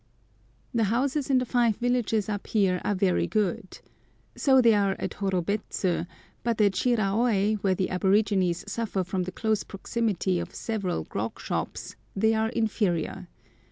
The houses in the five villages up here are very good. So they are at Horobets, but at Shiraôi, where the aborigines suffer from the close proximity of several grog shops, they are inferior.